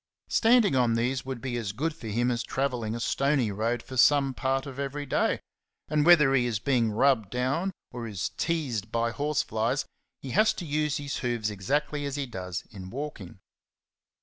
Standing on these would be as good for him as travelling a stony road for some part of every day; and whether he is being rubbed down or is teased by horseflies, he has to use his hoofs exactly as he does in walking.